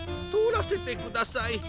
とおらせてください。